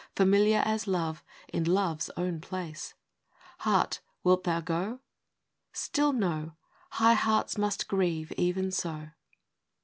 Familiar as Love, in Love's own place — Heart, wilt thou go ?—" Still, no ! High hearts must grieve even so."